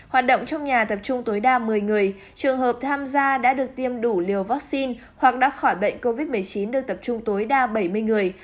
hoạt động trong nhà tập trung tối đa một mươi người trường hợp tham gia đã được tiêm đủ liều vaccine hoặc đã khỏi bệnh covid một mươi chín được tập trung tối đa bảy mươi người